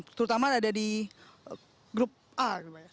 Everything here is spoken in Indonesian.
terutama ada di grup a